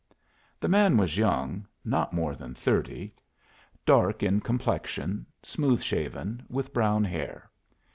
The man was young not more than thirty dark in complexion, smooth shaven, with brown hair.